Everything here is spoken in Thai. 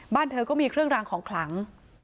เธอก็มีเครื่องรางของขลัง